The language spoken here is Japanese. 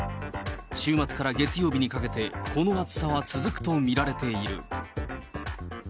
週末から月曜日にかけて、この暑さは続くと見られている。